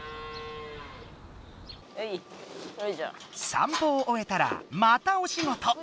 散歩をおえたらまたお仕事！